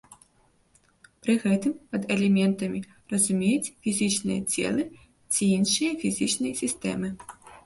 Пры гэтым пад элементамі разумеюць фізічныя целы ці іншыя фізічныя сістэмы.